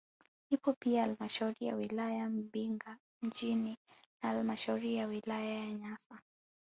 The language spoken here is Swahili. Ipo pia halmashauri ya wilaya Mbinga mjini na halmashauri ya wilaya ya Nyasa